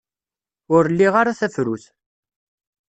Ur liɣ ara tafrut.